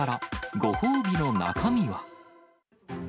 ご褒美の中身は？